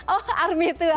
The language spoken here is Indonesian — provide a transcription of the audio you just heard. oh army tua